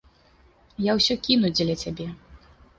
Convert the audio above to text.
Я ўсё кіну дзеля цябе.